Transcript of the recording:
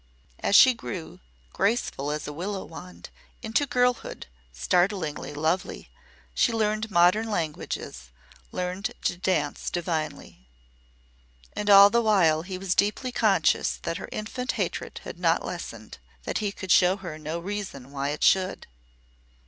As she grew, graceful as a willow wand, into a girlhood startlingly lovely, she learned modern languages, learned to dance divinely. And all the while he was deeply conscious that her infant hatred had not lessened that he could show her no reason why it should.